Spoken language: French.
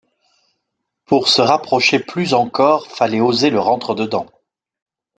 Pour se rapprocher plus encore fallait oser le rentre dedans.